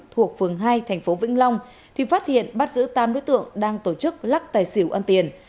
thuộc phường hai thành phố vĩnh long thì phát hiện bắt giữ tám đối tượng đang tổ chức lắc tài sản